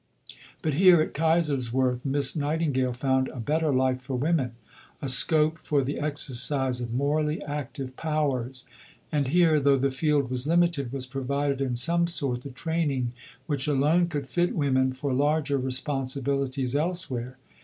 " But here, at Kaiserswerth, Miss Nightingale found "a better life for women," a scope for the exercise of "morally active" powers. And here, though the field was limited, was provided in some sort the training which alone could fit women for larger responsibilities elsewhere.